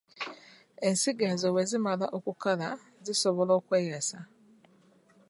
Ensigo ezo bwe zimala okukala, zisobola okweyasa.